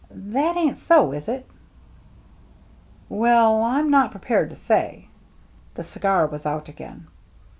That ain't so, is it ?"" Well, I'm not prepared to say." The cigar was out again.